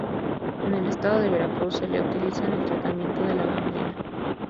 En el Estado de Veracruz se le utiliza en el tratamiento de la gangrena.